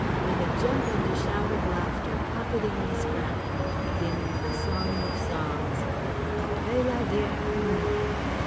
_"—with a jump and a shout of laughter pocketing the scrap and beginning the Song of Songs: "_après la guerre finit….